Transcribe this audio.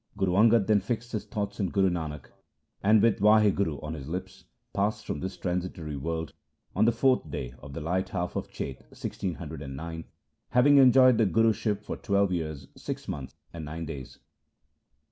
Guru Angad then fixed his thoughts on Guru Nanak and, with ' Wahguru ' on his lips, passed from this transitory world on the fourth day of the light half of Chet, 1609, having enjoyed the Guruship for twelve years six months and nine days.